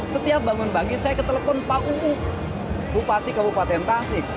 setiap bangun pagi saya ke telepon pak uu bupati kabupaten tasik